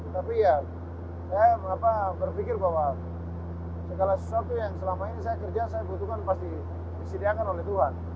tapi ya saya berpikir bahwa segala sesuatu yang selama ini saya kerja saya butuhkan pasti disediakan oleh tuhan